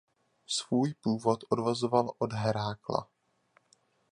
Svůj původ odvozoval od Hérakla.